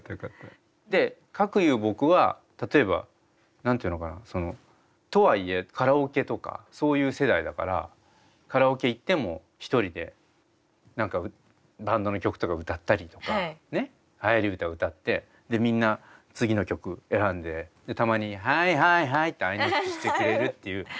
かくいう僕は例えば何て言うのかな。とはいえカラオケとかそういう世代だからカラオケ行っても一人で何かバンドの曲とか歌ったりとかねはやり歌歌ってでみんな次の曲選んでたまに「はい！はい！はい！」って合いの手してくれるっていう。